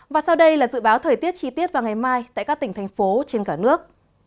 và sau đây là dự báo thời tiết chi tiết vào ngày mai tại các tỉnh thành phố trên cả nước